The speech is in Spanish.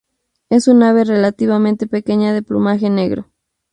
Es un ave relativamente pequeña de plumaje negro.